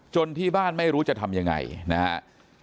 ที่บ้านไม่รู้จะทำยังไงนะครับ